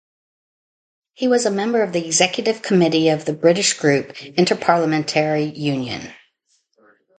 He was a member of the executive committee of the British Group, Inter-Parliamentary Union.